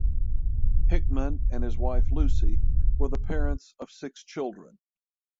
Hickman and his wife Lucy were the parents of six children.